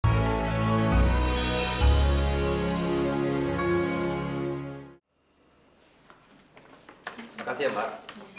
terima kasih mbak